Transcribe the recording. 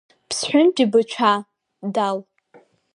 Ԥсҳәынтәи Быҭәаа, Дал…